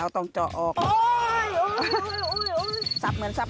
แล้วต้องจอกออกเราต้องจอก